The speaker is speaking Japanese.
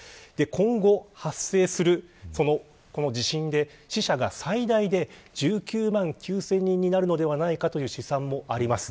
今後発生する地震で死者が最大で１９万９０００人になるのではないかという試算もあります。